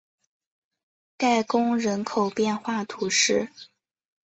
盖贡人口变化图示